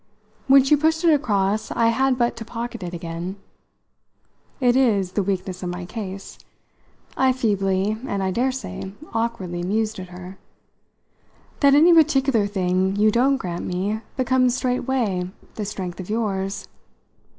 When she pushed it across I had but to pocket it again. "It is the weakness of my case," I feebly and I daresay awkwardly mused at her, "that any particular thing you don't grant me becomes straightway the strength of yours.